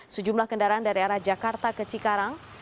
sejumlah kendaraan dari arah jakarta ke cikarang